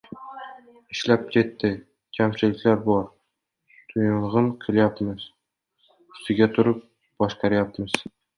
Ishlab ketdi, kamchiliklari bor, tyuning’ qilyapmiz, ustida turib boshqaryapmiz.